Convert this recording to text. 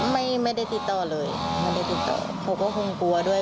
ไม่ได้ติดต่อเลยเขาก็คงกลัวด้วย